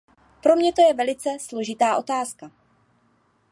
Pro mě to je velice složitá otázka.